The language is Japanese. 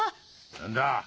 何だ？